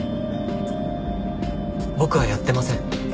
僕はやってません。